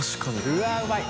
うわぁうまい。